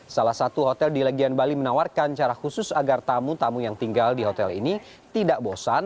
salah satu hotel di legian bali menawarkan cara khusus agar tamu tamu yang tinggal di hotel ini tidak bosan